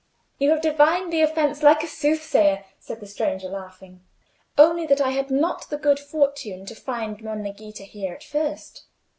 "You have divined the offence like a soothsayer," said the stranger, laughingly. "Only that I had not the good fortune to find Monna Ghita here at first.